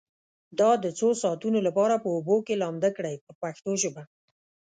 دا د څو ساعتونو لپاره په اوبو کې لامده کړئ په پښتو ژبه.